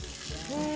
うん。